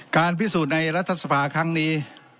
การพิสูจน์ในรัฐสภาครั้งนี้